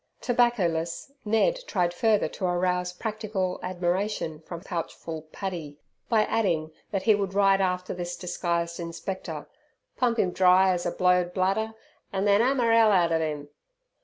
Tobacco less Ned tried further to arouse practical admiration from pouch full Paddy, by adding that he would ride after this disguised Inspector, "pump 'im dry as a blow'd bladder, an' then 'ammer 'ell outer 'im."